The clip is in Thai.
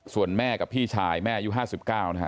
ส่วนแม่กับพี่ชายแม่อายุ๕๙นะฮะ